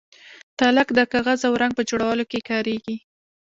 تالک د کاغذ او رنګ په جوړولو کې کاریږي.